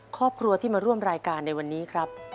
ครอบครัวที่มาร่วมรายการในวันนี้ครับ